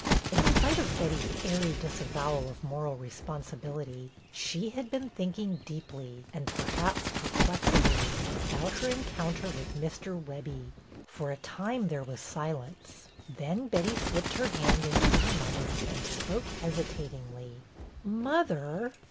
In spite of Betty's airy disavowal of moral responsibility, she had been thinking deeply, and perhaps perplexedly, about her encounter with Mr. Webbie. For a time there was silence. Then Betty slipped her hand into her mother's and spoke hesitatingly. "Mother?"